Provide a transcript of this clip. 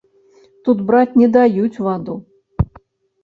Тут браць не даюць ваду.